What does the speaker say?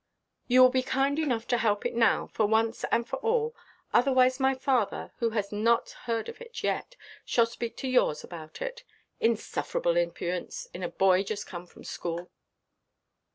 "You will be kind enough to help it now, for once and for all. Otherwise, my father, who has not heard of it yet, shall speak to yours about it. Insufferable impudence in a boy just come from school!"